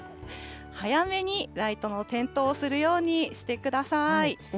早めにライトの点灯をするようにしてください。